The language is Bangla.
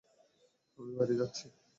আমি বাইরে যাচ্ছি!